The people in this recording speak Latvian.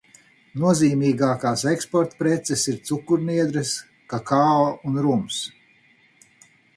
Nozīmīgākās eksportpreces ir cukurniedres, kakao un rums.